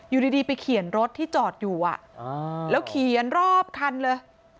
อยู่ดีไปเขียนรถที่จอดอยู่แล้วเขียนรอบคันเลย